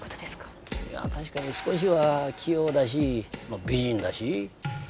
君は確かに少しは器用だしまあ美人だし。